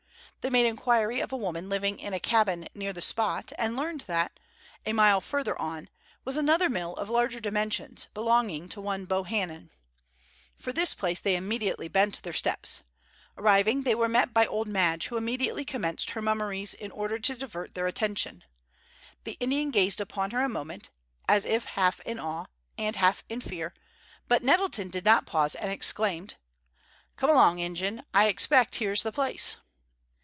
They made inquiry of a woman living in a cabin near the spot, and learned that, a mile further on, was another mill of larger dimensions, belonging to one Bohannan. For this place they immediately bent their steps. Arriving, they were met by old Madge, who immediately commenced her mummeries in order to divert their attention. The Indian gazed upon her a moment, as if half in awe, and half in fear, but Nettleton did not pause, and exclaimed: "Come along, Ingen; I expect here's the place."